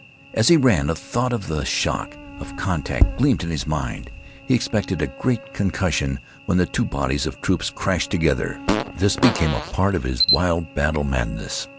As he ran a thought of the shock of contact gleamed in his mind. He expected a great concussion when the two bodies of troops crashed together. This became a part of his wild battle madness.